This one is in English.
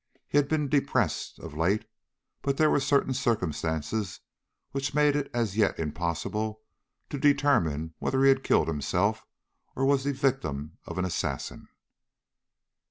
He had been depressed, of late, but there were certain circumstances which made it as yet impossible to determine whether he had killed himself or was the victim of an assassin.